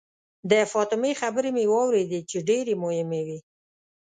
د فاطمې خبرې مې واورېدې چې ډېرې مهمې وې.